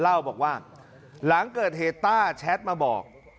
เล่าบอกว่าหลังเกิดเหตุต้าแชทมาบอก